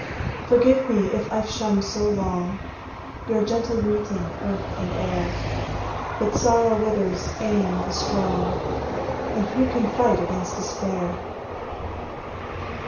Forgive me if I've shunned so long Your gentle greeting, earth and air! But sorrow withers e'en the strong, And who can fight against despair?